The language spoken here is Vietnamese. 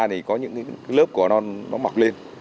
thì có những lớp cỏ nó mọc lên